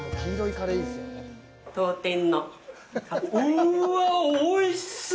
うっわぁ、おいしそう！